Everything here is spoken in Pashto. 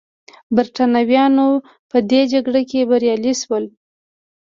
برېټانویان په دې جګړه کې بریالي شول.